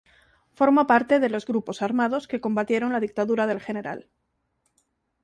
Formó parte de los grupos armados que combatieron la dictadura del Gral.